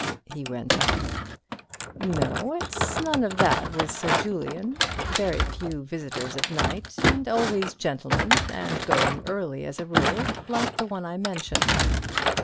He went on:) No, it's none of that with Sir Julian. Very few visitors at night, and always gentlemen. And going early as a rule, like the one I mentioned.